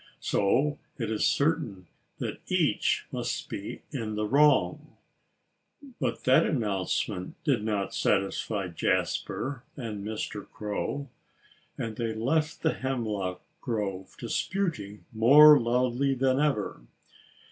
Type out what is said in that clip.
So it is certain that each must be in the wrong." But that announcement did not satisfy Jasper and Mr. Crow. And they left the hemlock grove, disputing more loudly than ever.